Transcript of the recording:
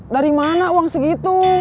dari mana uang segitu